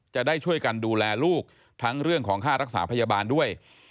จะได้ช่วยกันดูแลลูกทั้งเรื่องของค่ารักษาพยาบาลด้วย